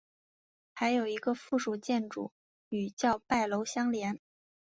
还有一个附属建筑与叫拜楼相连。